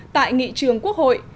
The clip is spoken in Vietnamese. tại nghị trường quốc hội